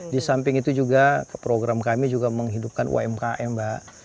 di samping itu juga program kami juga menghidupkan umkm mbak